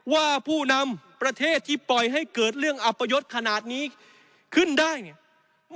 ว่าผู้นำประเทศที่ปล่อยให้เกิดเรื่องอัปยศขนาดนี้ขึ้นได้ไง